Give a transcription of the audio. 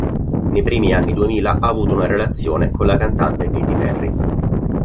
Nei primi anni duemila ha avuto una relazione con la cantante Katy Perry.